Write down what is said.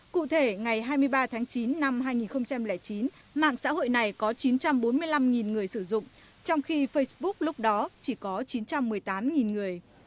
cụ thể ngày hai mươi ba tháng chín năm hai nghìn chín mạng xã hội này có chín trăm bốn mươi năm người sử dụng trong khi facebook lúc đó chỉ có chín trăm một mươi tám người